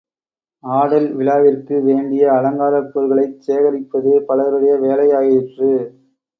ஆடல் விழாவிற்கு வேண்டிய அலங்காரப் பொருள்களைச் சேகரிப்பது பலருடைய வேலை யாயிற்று.